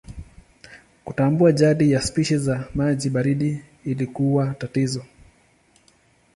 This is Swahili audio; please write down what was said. Kutambua jadi ya spishi za maji baridi ilikuwa tatizo.